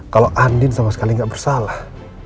kalau andin sama sekali nggak bersalah